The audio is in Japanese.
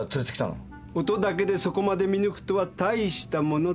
音だけでそこまで見抜くとはたいしたものですね。